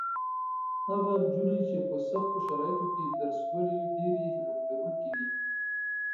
هغه نجونې چې په سختو شرایطو کې درس لولي ډېرې همت لرونکې دي.